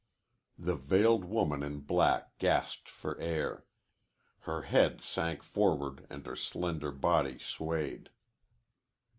The veiled woman in black gasped for air. Her head sank forward and her slender body swayed.